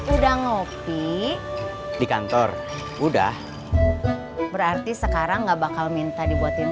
udah ngopi di kantor udah berarti sekarang enggak bakal minta dibuatin